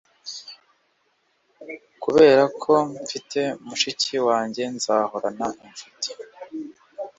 kubera ko mfite mushiki wanjye nzahorana inshuti